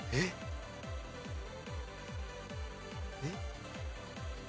えっ？